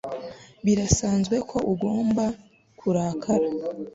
Birasanzwe ko ugomba kurakara